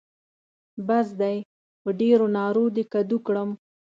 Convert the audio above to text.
بس دی؛ په ډېرو نارو دې کدو کړم.